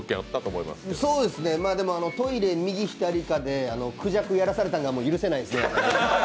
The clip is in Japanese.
トイレ右・左かでクジャクやらされたんが許せないですね。